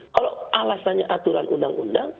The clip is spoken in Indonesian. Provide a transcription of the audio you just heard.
kalau alasannya aturan undang undang